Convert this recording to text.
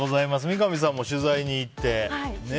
三上さんも取材に行ってね。